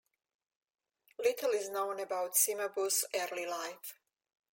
Little is known about Cimabue's early life.